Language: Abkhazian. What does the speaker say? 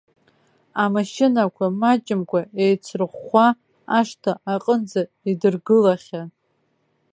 Амашьынақәа маҷымкәа еицрыхәхәа ашҭа аҟынӡа идыргылахьан.